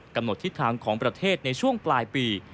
กำหนดทิศทางของประเทศในช่วงปลายปี